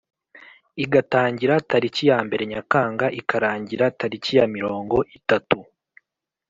igatangira taliki ya mbere nyakanga ikarangira taliki ya mirongo itatu